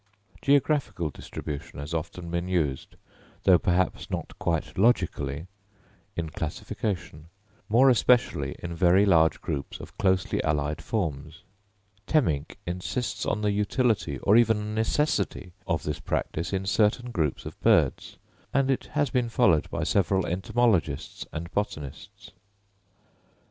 Geographical distribution has often been used, though perhaps not quite logically, in classification, more especially in very large groups of closely allied forms. Temminck insists on the utility or even necessity of this practice in certain groups of birds; and it has been followed by several entomologists and botanists.